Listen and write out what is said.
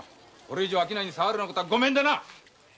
これ以上商いに障るような事はごめんだな！